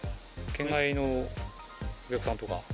県外のお客さんとか。